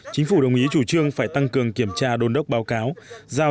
chính phủ đồng ý chủ trương phải tăng cường kiểm tra đôn đốc báo cáo